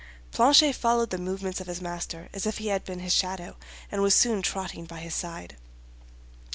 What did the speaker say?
Planchet followed the movements of his master as if he had been his shadow, and was soon trotting by his side.